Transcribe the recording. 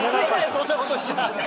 そんな事しちゃ。